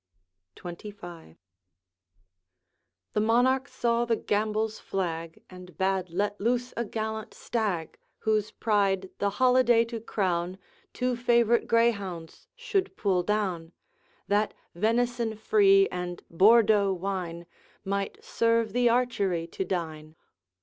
XXV. The Monarch saw the gambols flag And bade let loose a gallant stag, Whose pride, the holiday to crown, Two favorite greyhounds should pull down, That venison free and Bourdeaux wine Might serve the archery to dine.